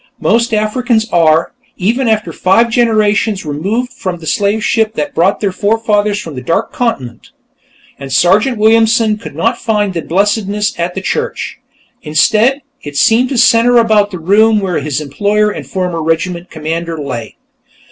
Most Africans are, even five generations removed from the slave ship that brought their forefathers from the Dark Continent. And Sergeant Williamson could not find the blessedness at the church. Instead, it seemed to center about the room where his employer and former regiment commander lay.